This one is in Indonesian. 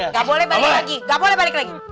nggak boleh balik lagi